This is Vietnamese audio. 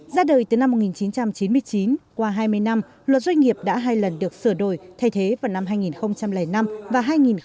ra đời từ năm một nghìn chín trăm chín mươi chín qua hai mươi năm luật doanh nghiệp đã hai lần được sửa đổi thay thế vào năm hai nghìn năm và hai nghìn một mươi